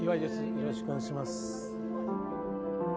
よろしくお願いします。